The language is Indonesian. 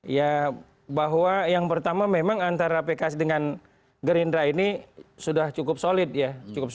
ya bahwa yang pertama memang antara pks dengan gerindra ini sudah cukup solid ya